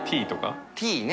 Ｔ」ね。